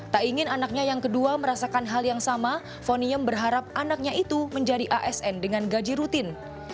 tak ingin anaknya yang kedua merasakan hal yang sama fonium berharap anaknya itu menjadi asn dengan gaji rutin